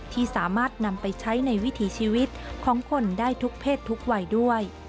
ที่สามารถนำไปใช้ในวิถีชีวิตของคนได้ทุกเพศทุกวัยด้วย